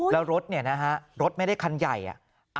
แล้วรถเนี่ยนะฮะรถไม่ได้คันใหญ่อ่ะ